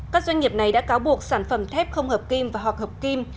các doanh nghiệp này đã cáo buộc sản phẩm thép không hợp kim và hoặc hợp kim